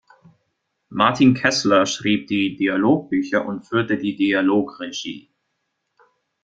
Martin Keßler schrieb die Dialogbücher und führte die Dialogregie.